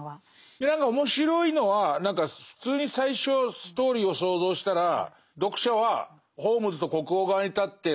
いや何か面白いのは何か普通に最初ストーリーを想像したら読者はホームズと国王側に立ってその悪い女をどうにかしようという。